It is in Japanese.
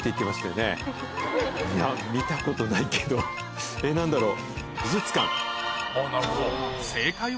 いや見たことないけどえっ何だろう？